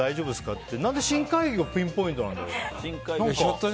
って何で深海魚がピンポイントなんだろう。